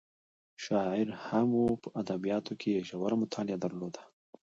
شاعره هم وه په ادبیاتو کې یې ژوره مطالعه درلوده.